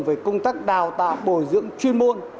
về công tác đào tạo bồi dưỡng chuyên môn